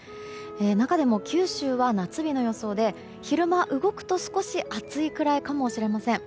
中でも九州は夏日の予想で昼間、動くと少し暑いくらいかもしれません。